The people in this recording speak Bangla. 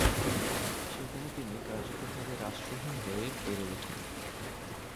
সেখানে তিনি কার্যকরভাবে রাষ্ট্রহীন হয়ে বেড়ে ওঠেন।